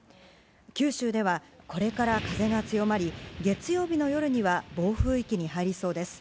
九州では、これから風が強まり、月曜日の夜には暴風域に入りそうです。